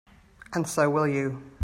And so will you.